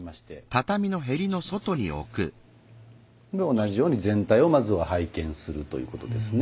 同じように全体をまずは拝見するということですね。